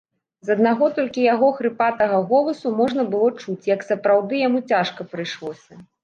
З аднаго толькі яго хрыпатага голасу можна было чуць, як сапраўды яму цяжка прыйшлося.